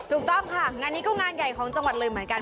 ถูกต้องค่ะงานนี้ก็งานใหญ่ของจังหวัดเลยเหมือนกัน